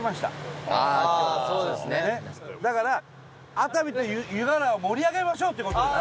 伊達：だから、熱海と湯河原を盛り上げましょうという事です。